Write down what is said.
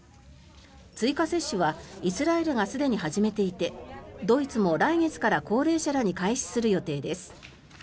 追加接種はイスラエルがすでに始めていてドイツも来月から高齢者らに開始する予定です。